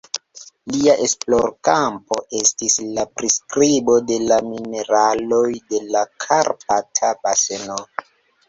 Lia esplorkampo estis la priskribo de la mineraloj de la Karpata baseno.